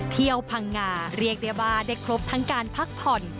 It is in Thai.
เที่ยวพังงาเรียกได้บาร์ได้ครบทั้งการพักผ่อน